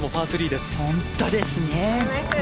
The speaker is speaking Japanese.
本当ですね。